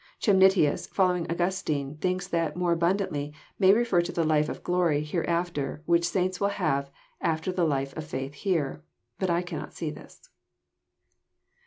Chemnitius, following Augustine, thinks that ''more abun dantly " may refer to the life of glory hereafter, which saints will have after the Jife of faith here. But I cannot see this.